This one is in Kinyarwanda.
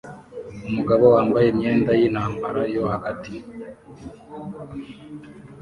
Umugabo wambaye imyenda yintambara yo hagati